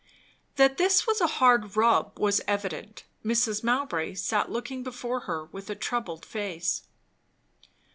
That this was a hard "rub" was evident. Mrs. Mowbray sat looking before her with a troubled face.